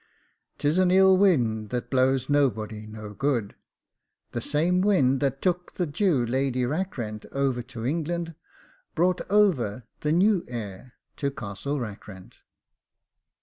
'Tis an ill wind that blows nobody no good: the same wind that took the Jew Lady Rackrent over to England brought over the new heir to Castle Rackrent.